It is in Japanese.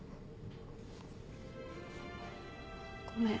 ごめん。